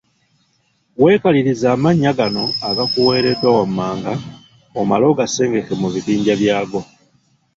Weekalirize amannya gano agakuweereddwa wammanga omale ogasengeke mu bibinja byago.